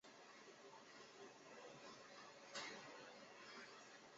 汉武帝建元五年改山划国为山阳郡。